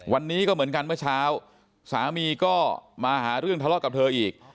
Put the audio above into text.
วันนี้ก็เหมือนกันเมื่อเช้าสามีก็มาหาเรื่องทะเลาะกับเธออีก